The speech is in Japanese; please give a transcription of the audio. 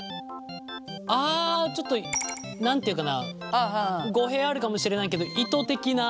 ああちょっと何て言うかな語弊あるかもしれないけど糸的な。